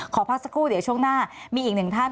ขอพักสักครู่เดี๋ยวช่วงหน้ามีอีกหนึ่งท่าน